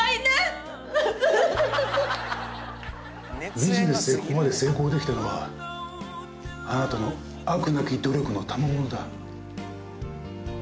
ビジネスでここまで成功できたのはあなたの飽くなき努力の賜物だ。